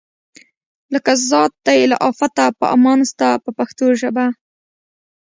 لکه ذات دی له آفته په امان ستا په پښتو ژبه.